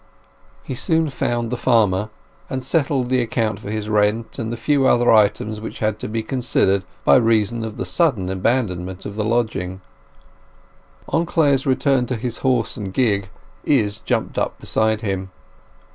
He soon found the farmer, and settled the account for his rent and the few other items which had to be considered by reason of the sudden abandonment of the lodgings. On Clare's return to his horse and gig, Izz jumped up beside him.